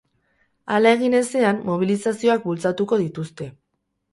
Hala egin ezean, mobilizazioak bultzatuko dituzte.